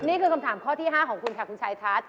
นี่คือคำถามข้อที่๕ของคุณค่ะคุณชายทัศน์